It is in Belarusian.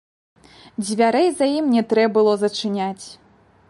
Дзвярэй за ім не трэ было зачыняць.